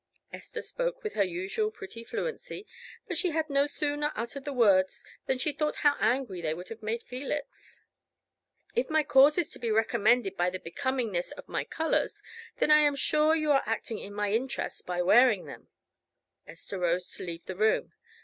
Esther spoke with her usual pretty fluency, but she had no sooner uttered the words than she thought how angry they would have made Felix. "If my cause is to be recommended by the becomingness of my colors, then I am sure you are acting in my interest by wearing them." Esther rose to leave the room.